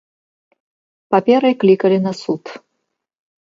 Паперай клікалі на суд.